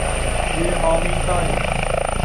如何面對